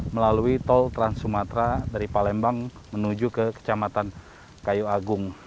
melalui tol trans sumatera dari palembang menuju ke kecamatan kayu agung